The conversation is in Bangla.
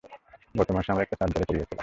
গত মাসে আমার একটা সার্জারি করিয়েছিলাম।